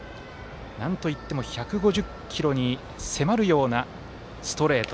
なんといっても１５０キロに迫るようなストレート。